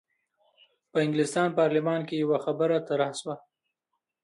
په انګلستان په پارلمان کې یوه خبره طرح شوه.